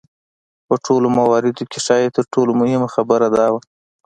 په ټولو مواردو کې ښايي تر ټولو مهمه خبره دا وه.